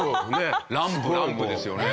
「ランプランプ」ですよね。